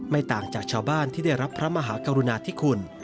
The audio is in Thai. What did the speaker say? ต่างจากชาวบ้านที่ได้รับพระมหากรุณาธิคุณ